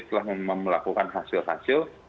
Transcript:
selalu melakukan hasil hasil